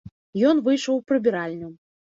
Ён выйшаў у прыбіральню.